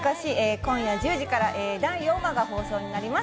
今夜１０時から第４話が放送になります。